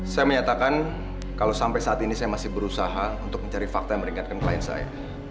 saya menyatakan kalau sampai saat ini saya masih berusaha untuk mencari fakta yang meringankan klien saya